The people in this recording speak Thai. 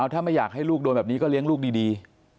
ถ้าไม่อยากให้ลูกโดนแบบนี้ก็เลี้ยงลูกดี